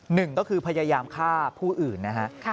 หนึ่งก็คือพยายามฆ่าผู้อื่นนะฮะ